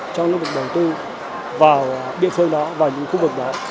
cho những cái đầu tư vào địa phương đó vào những khu vực đó